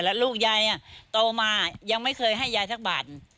แล้วลูกยายโตมายังไม่เคยให้ยายสักบาท